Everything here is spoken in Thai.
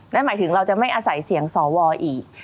นั่นหมายถึงเราจะไม่อาศัยเสียงสวอีก